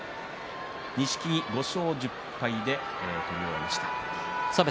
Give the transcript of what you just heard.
錦木、５勝１０敗で取り終えました。